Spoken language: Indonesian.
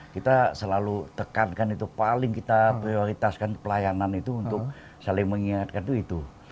kita selalu tekankan itu paling kita prioritaskan pelayanan itu untuk saling mengingatkan itu itu